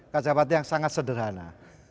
kaca patri yang sangat sederhana